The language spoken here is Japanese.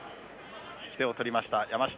引き手を取りました山下。